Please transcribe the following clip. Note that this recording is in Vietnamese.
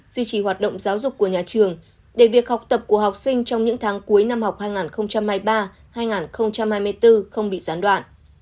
duy trì hoạt động giáo dục của nhà trường để việc học tập của học sinh trong những tháng cuối năm học hai nghìn hai mươi ba hai nghìn hai mươi bốn không bị gián đoạn